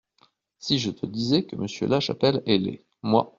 Si je te disais que Monsieur Lachapelle est laid, moi !